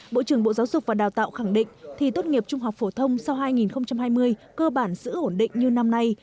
bộ trưởng bộ giáo dục và đào tạo khẳng định thi tốt nghiệp trung học phổ thông sau hai nghìn hai mươi cơ bản giữ ổn định như năm nay